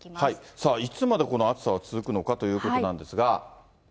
さあいつまでこの暑さは続くのかということなんですが。